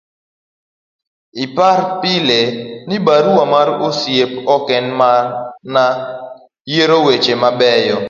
ipar pile ni barua mar osiep ok en mana yiero weche mabeyo